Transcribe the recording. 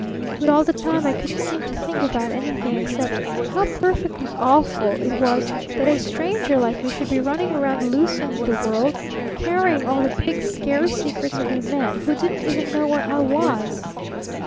But all the time I couldn't seem to think about anything except how perfectly awful it was that a stranger like me should be running round loose in the world, carrying all the big, scary secrets of a man who didn't even know where I was.